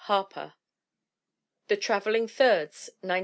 Harper. The Travelling Thirds, 1905.